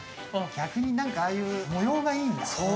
逆にああいう模様がいいんだ。